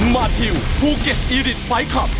มาทิวภูเก็ตอีริตไฟล์คลับ